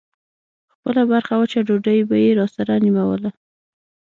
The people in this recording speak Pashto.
خپله برخه وچه ډوډۍ به يې راسره نيموله.